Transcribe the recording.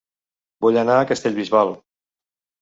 Vull anar a Castellbisbal